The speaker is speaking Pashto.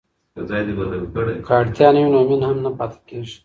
که اړتیا نه وي نو مینه هم نه پاتې کیږي.